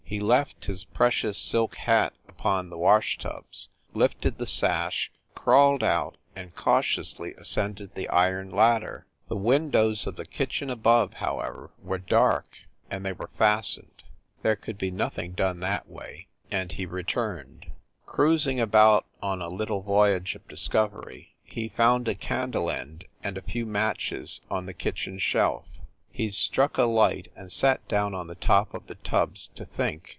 He left his precious silk hat upon the washtubs, lifted the sash, crawled out, and cautiously ascended the iron ladder. The windows of the kitchen above, however, were dark, and they were fastened. There could be nothing done that way, and he returned. THE NORCROSS APARTMENTS 265 Cruising about on a little voyage of discovery, he found a candle end and a few matches on the kitchen shelf. He struck a light and sat down on the top of the tubs to think.